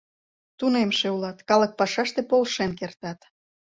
Тунемше улат, калык пашаште полшен кертат.